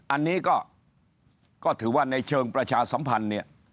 อันนี้ก็ถือว่าในเชิงประชาสัมพันธ์เนี่ย